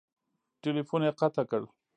ټیلیفون یې قطع کړ !